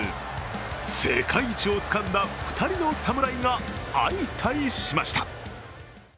世界一をつかんだ２人の侍が相対しました。